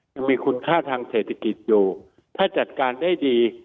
ยังมีคุณค่าทางเศรษฐกิจอยู่ถ้าจัดการได้ดี